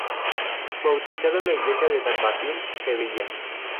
Bautizado en la Iglesia de San Martín, Sevilla.